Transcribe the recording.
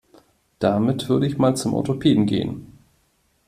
Damit würde ich mal zum Orthopäden gehen.